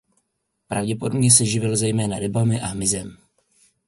Pravděpodobně se živil zejména rybami a hmyzem.